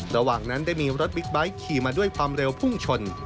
ระหว่างนั้นได้มีรถบิ๊กไบท์ขี่มาด้วยความเร็วพุ่งชน